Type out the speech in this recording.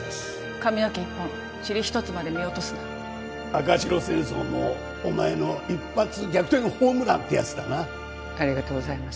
髪の毛一本チリ一つまで見落とすな赤白戦争もお前の一発逆転ホームランってやつだなありがとうございます